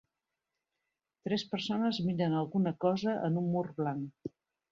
Tres persones miren a alguna cosa en un mur blanc.